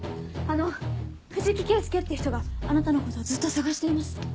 あの藤木圭介って人があなたのことをずっと捜しています。